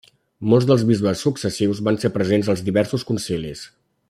Molts dels bisbes successius van ser presents als diversos concilis.